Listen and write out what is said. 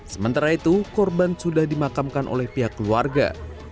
sementara itu korban sudah dimakamkan oleh pihak keluarga